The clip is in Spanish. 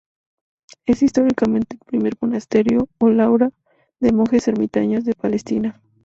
Es históricamente el primer monasterio, o laura, de monjes ermitaños de Palestina.